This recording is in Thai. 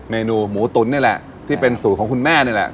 เมนูหมูตุ๋นนี่แหละที่เป็นสูตรของคุณแม่นี่แหละ